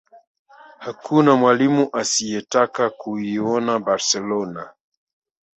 hakuna mwalimu asiyetaka kuinoa barcelona